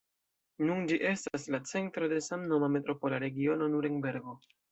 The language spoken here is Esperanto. Nun ĝi estas la centro de samnoma Metropola regiono Nurenbergo.